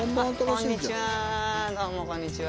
こんにちは。